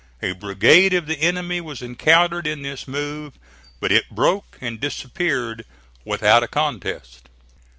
A brigade of the enemy was encountered in this move; but it broke and disappeared without a contest.